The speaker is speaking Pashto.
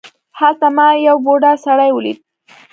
هلته ما یو بوډا سړی ولید.